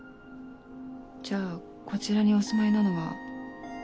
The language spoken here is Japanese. じゃあこちらにお住まいなのは。